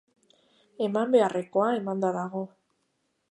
Eman beharrekoa emanda dago.